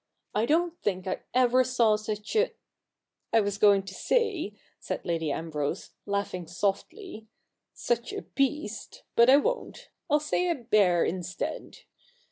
I don't think I ever saw such a — I was going to say,' said Lady Ambrose, laughing softly, ' such a beast — but I won't ; ril say a bear instead.